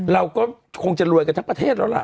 เราก็คงจะรวยกันทั้งประเทศแล้วล่ะ